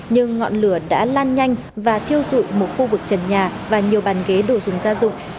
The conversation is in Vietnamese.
nhưng ngọn lửa đã lan nhanh và thiêu dụi một khu vực trần nhà và nhiều bàn ghế đồ dùng gia dụng